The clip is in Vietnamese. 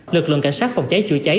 lực lượng cảnh sát phòng cháy chữa cháy